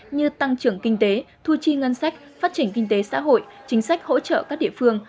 như tăng trưởng kinh tế thu chi ngân sách phát triển kinh tế xã hội chính sách hỗ trợ các địa phương